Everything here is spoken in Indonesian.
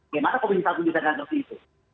gimana kalau misalkan di tni itu